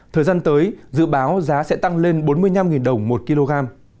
thời gian tới dự báo giá sẽ tăng lên bốn mươi năm đồng một kg